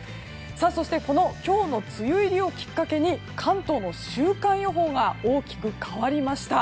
そして今日の梅雨入りをきっかけに関東の週間予報が大きく変わりました。